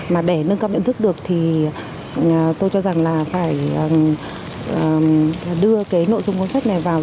mà để nâng cao nhận thức được thì tôi cho rằng là phải đưa cái nội dung cuốn sách này vào